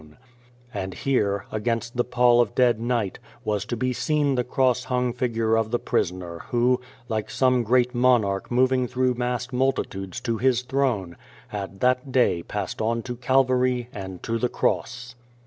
141 The Face And here, against the pall of dead night, was to be seen the cross hung figure of the prisoner who, like some great monarch moving through massed multitudes to his throne, had that day passed on to Calvary and to the cross.